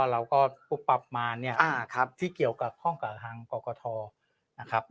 เราก็ปุ๊บปรับมาเนี้ยอ่าครับที่เกี่ยวกับข้องกระทางกรกฐอนะครับ